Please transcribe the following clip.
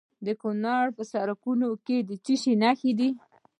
د کونړ په سرکاڼو کې د څه شي نښې دي؟